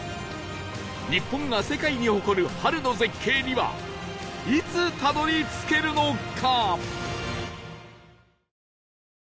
日本が世界に誇る春の絶景にはいつたどり着けるのか？